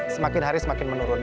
semakin hari semakin menurun